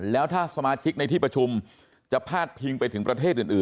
แล้วถ้าสมาชิกในที่ประชุมจะพาดพิงไปถึงประเทศอื่น